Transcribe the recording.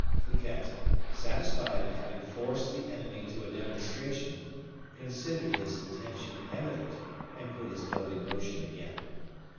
Fouquet, satisfied of having forced the enemy to a demonstration, considered his intention evident, and put his boat in motion again.